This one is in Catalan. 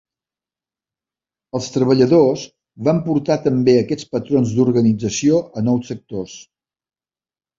Els treballadors van portar també aquests patrons d'organització a nous sectors.